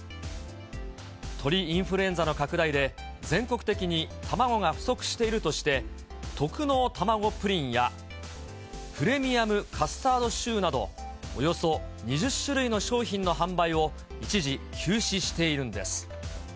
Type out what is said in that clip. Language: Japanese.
鳥インフルエンザの拡大で、全国的に卵が不足しているとして、特濃たまごプリンや、プレミアムカスタードシューなど、およそ２０種類の商品の販売を一時休止しているんです。